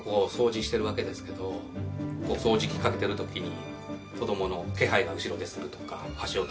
掃除機かけてるときに。